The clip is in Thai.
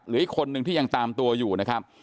อีกคนนึงที่ยังตามตัวอยู่นะครับ